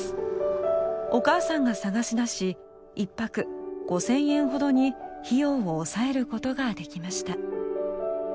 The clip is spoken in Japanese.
お母さんが探し出し一泊５０００円ほどに費用を抑えることができました。